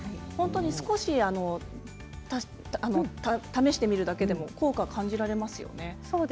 少し試してみるだけでも効果が感じられますよね。